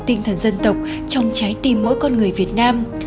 tinh thần dân tộc trong trái tim mỗi con người việt nam